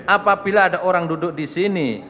apabila ada orang duduk disini